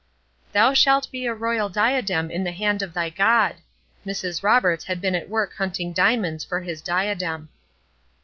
"Thou shalt be a royal diadem in the hand of thy God." Mrs. Roberts had been at work hunting diamonds for His diadem.